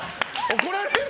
怒られるぞ！